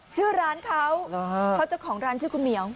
ชื่อร้านเขาเขาเจ้าของร้านชื่อคุณเหมียว